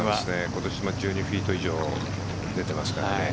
今年も１２フィート以上出てますからね。